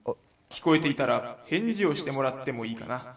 聞こえていたら返事をしてもらってもいいかな」。